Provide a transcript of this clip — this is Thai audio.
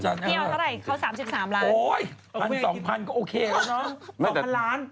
เฮียวเท่าไหร่เขา๓๓ล้าน